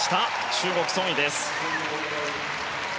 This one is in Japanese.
中国、ソン・イです。